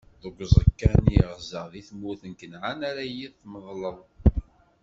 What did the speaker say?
Deg uẓekka-nni i ɣzeɣ di tmurt n Kanɛan ara yi-tmeḍleḍ.